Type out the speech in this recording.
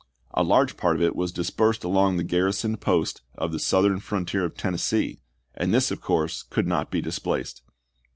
A large part of it was ^S dispersed along the garrisoned posts of the south coSSSttle ern frontier of Tennessee, and this, of course, could S?t£enwar! not be displaced.